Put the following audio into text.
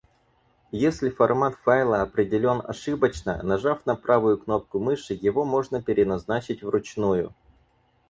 Если формат файла определён ошибочно, нажав на правую кнопку мыши его можно переназначить вручную.